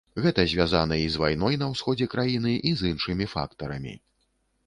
Гэта звязана і з вайной на ўсходзе краіны, і з іншымі фактарамі.